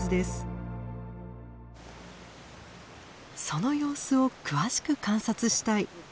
その様子を詳しく観察したい。